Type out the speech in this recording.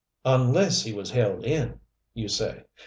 "'Unless he was held in,' you say.